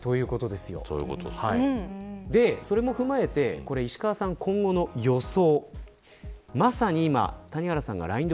それも踏まえて石川さん、今後の予想。